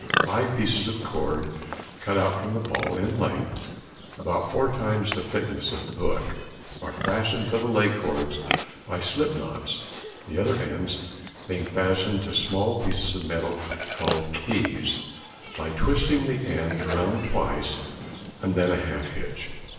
Five pieces of cord cut from the ball, in length, about four times the thickness of the book, are fastened to the lay cords by slip knots; the other ends being fastened to small pieces of metal called keys, by twisting the ends round twice and then a half hitch.